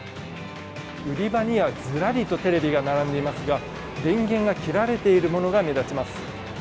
売り場にはずらりとテレビが並べられていますが電源が切られているものが目立ちます。